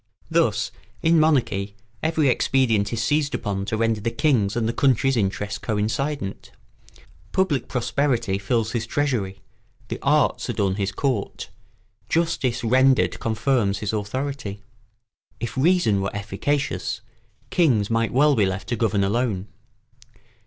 Thus in monarchy every expedient is seized upon to render the king's and the country's interests coincident; public prosperity fills his treasury, the arts adorn his court, justice rendered confirms his authority. If reason were efficacious kings might well be left to govern alone.